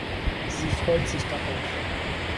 Sie freut sich darauf.